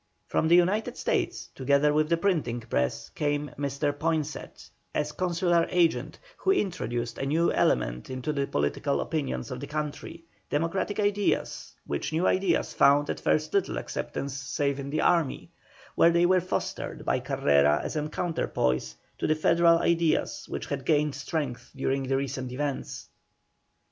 From the United States, together with the printing press, came Mr. Poinsett as consular agent, who introduced a new element into the political opinions of the country, democratic ideas, which new ideas found at first little acceptance save in the army, where they were fostered by Carrera as a counterpoise to the federal ideas which had gained strength during the recent events.